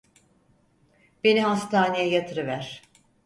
Beni hastaneye yatırıver.